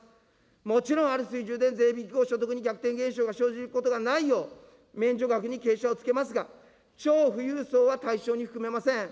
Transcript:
もちろん、ある水準で税引き後所得に逆転現象が生じることがないよう、免除額に傾斜をつけますが、超富裕層は対象に含めません。